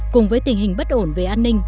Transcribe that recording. cùng với tình hình bất ổn về an ninh